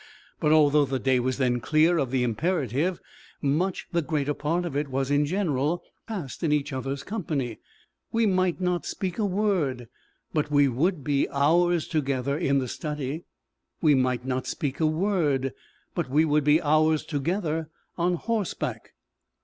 But although the day was then clear of the imperative, much the greater part of it was in general passed in each other's company. We might not speak a word, but we would be hours together in the study. We might not speak a word, but we would be hours together on horseback.